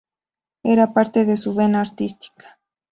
Era parte de su vena artística.